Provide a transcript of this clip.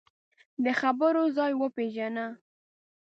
د خبرو ځای وپېژنه